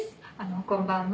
「こんばんは。